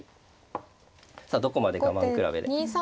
さあどこまで我慢比べで。